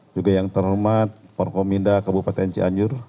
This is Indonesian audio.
juga yang terhormat porkominda kabupaten cianyur